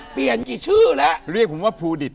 เปลี่ยนกี่ชื่อแล้วเรียกผมว่าภูดิต